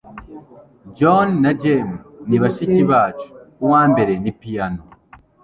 Joan na Jane ni bashiki bacu. Uwa mbere ni piyano.